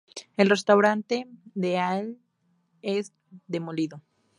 El restaurante de Al es demolido.